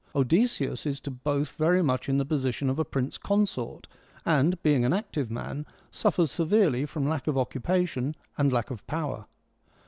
Odysseus is to both very much in the position of a prince consort, and, being an active man, suffers severely from lack of occupation and lack of power.